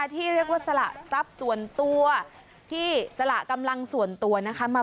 ที่เรียกว่าสละทรัพย์ส่วนตัวที่สละกำลังส่วนตัวนะคะ